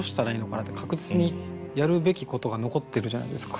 確実にやるべきことが残ってるじゃないですか。